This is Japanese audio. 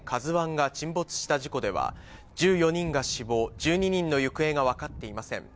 ＫＡＺＵＩが沈没した事故では、１４人が死亡、１２人の行方が分かっていません。